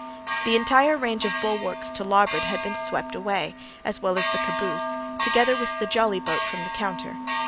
The entire range of bulwarks to larboard had been swept away, as well as the caboose, together with the jollyboat from the counter.